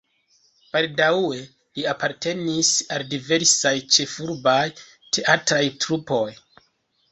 Baldaŭe li apartenis al diversaj ĉefurbaj teatraj trupoj.